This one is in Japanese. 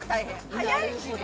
速いしね。